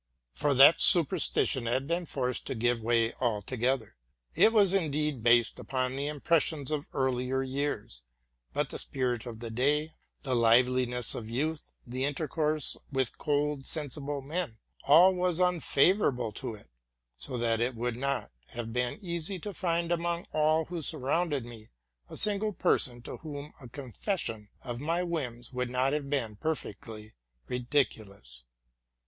For that superstition had been forced to give way altogether. It was indeed based upon the impressions of earlier years ; but the spirit of the day, the liveliness of youth, the intercourse RELATING TO MY LIFE. | 63 with cold, sensible men, all was unfavorable to it, so that it would not have been easy to find among all who surrounded me a single person to whom a confession of my whims wouid not have been perfectly ridiculous.